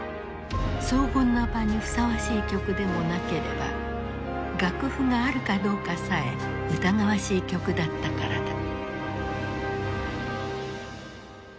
荘厳な場にふさわしい曲でもなければ楽譜があるかどうかさえ疑わしい曲だったからだ。